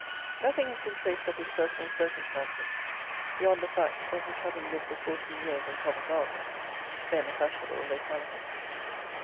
Nothing has been traced of his personal circumstances beyond the fact of his having lived for fourteen years in Covent Garden, then a fashionable locality."